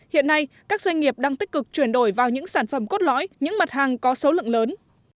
hiện nay các doanh nghiệp đang tích cực chuyển đổi vào những sản phẩm cốt lõi những mặt hàng có số lượng lớn